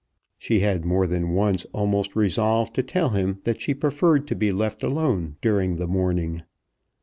She had more than once almost resolved to tell him that she preferred to be left alone during the morning.